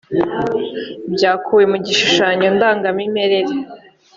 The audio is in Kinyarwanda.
byakuwe mu gishushanyo ndangamiterere